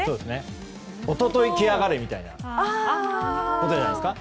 一昨日来やがれみたいなことじゃないですか。